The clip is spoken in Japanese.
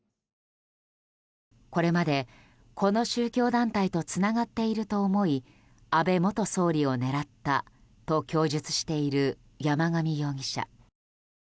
これまで、この宗教団体とつながっていると思い安倍元総理を狙ったと供述している山上容疑者。